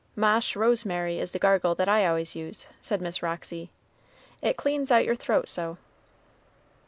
"Ma'sh rosemary is the gargle that I always use," said Miss Roxy; "it cleans out your throat so."